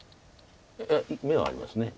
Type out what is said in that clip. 眼はあります。